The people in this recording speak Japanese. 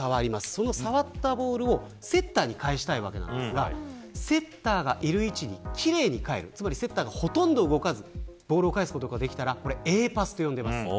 その触ったボールをセッターに返したいわけですがセッターがいる位置に奇麗に返るセッターがほとんど動かずボールを返すことができたらＡパスと呼んでいます。